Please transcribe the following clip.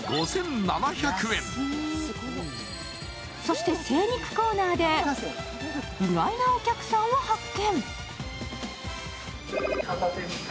そして精肉コーナーで意外なお客さんを発見。